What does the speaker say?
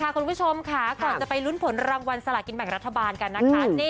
คุณผู้ชมค่ะก่อนจะไปลุ้นผลรางวัลสลากินแบ่งรัฐบาลกันนะคะ